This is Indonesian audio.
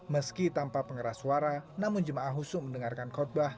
meski tanpa pengeras suara namun jemaah husu mendengarkan khutbah